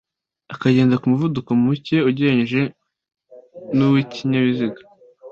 akagenda ku muvuduko muke ugereranije n’uw’ikinyabiziga